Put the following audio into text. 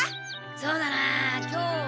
そうだなあ今日は。